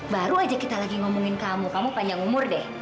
baru aja kita lagi ngomongin kamu kamu panjang umur deh